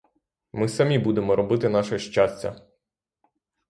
Ми самі будемо робити наше щастя!